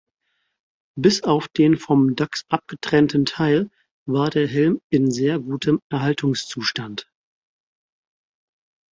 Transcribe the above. Bis auf den vom Dachs abgetrennten Teil war der Helm in sehr gutem Erhaltungszustand.